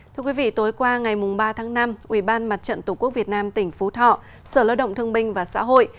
thưa quý vị tối qua ngày ba tháng năm ủy ban mặt trận tổ quốc việt nam tỉnh phú thọ sở lợi động thương binh và xã hội